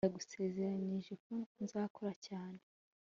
ndagusezeranije ko nzakora cyane